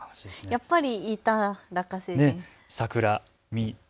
やっぱりいた、ラッカ星人。